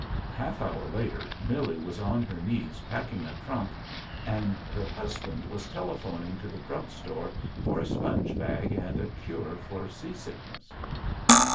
A half hour later Millie was on her knees packing a trunk, and her husband was telephoning to the drug store for a sponge bag and a cure for sea sickness.